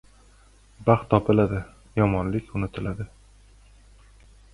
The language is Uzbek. • Baxt topiladi, yomonlik unutiladi.